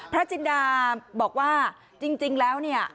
จินดาบอกว่าจริงแล้วเนี่ย